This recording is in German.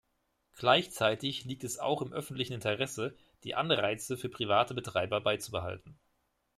Gleichzeitig liegt es auch im öffentlichen Interesse, die Anreize für private Betreiber beizubehalten.